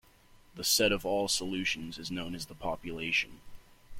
The set of all solutions is known as the "population".